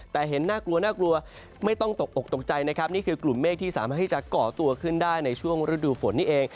แต่เห็นน่ากลัวน่ากลัวไม่ต้องตกอกตกใจนะครับนี่คือกลุ่มเมฆที่สามารถที่จะก่อตัวขึ้นได้ในช่วงฤดูฝนนี่เอง